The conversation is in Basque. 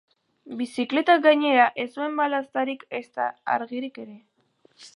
Bizikletak, gainera, ez zuen balaztarik ezta argirik ere.